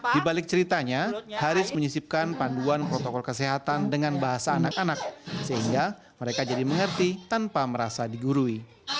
di balik ceritanya haris menyisipkan panduan protokol kesehatan dengan bahasa anak anak sehingga mereka jadi mengerti tanpa merasa digurui